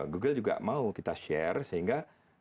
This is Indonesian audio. google juga mau kita share sehingga